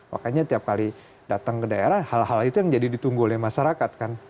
makanya tiap kali datang ke daerah hal hal itu yang jadi ditunggu oleh masyarakat kan